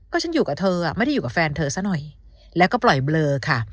ก็ฉันอยู่กับเธอไม่ได้อยู่กับแฟนเธอซะหน่อยแล้วก็ปล่อยเบลอค่ะ